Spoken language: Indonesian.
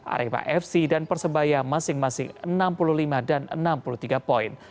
arema fc dan persebaya masing masing enam puluh lima dan enam puluh tiga poin